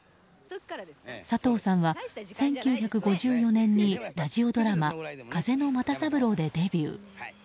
佐藤さんは１９５４年にラジオドラマ「風の又三郎」でデビュー。